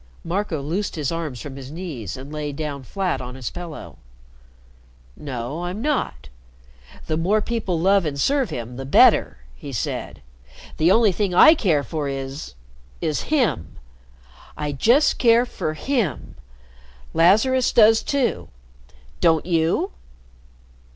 Marco loosed his arms from his knees and lay down flat on his pillow. "No, I'm not. The more people love and serve him, the better," he said. "The only thing I care for is is him. I just care for him. Lazarus does too. Don't you?"